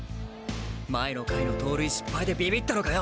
前の回の盗塁失敗でびびったのかよ